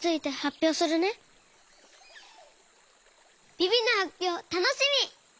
ビビのはっぴょうたのしみ！